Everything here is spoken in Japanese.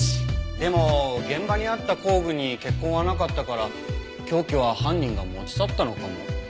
でも現場にあった工具に血痕はなかったから凶器は犯人が持ち去ったのかも。